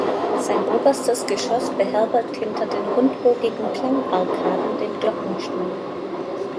Sein oberstes Geschoss beherbergt hinter den rundbogigen Klangarkaden den Glockenstuhl.